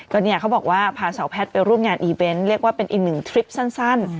ก็เนี่ยเขาบอกว่าพาสาวแพทย์ไปร่วมงานอีเวนต์เรียกว่าเป็นอีกหนึ่งทริปสั้น